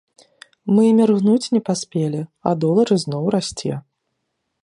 Мы і міргнуць не паспелі, а долар ізноў расце!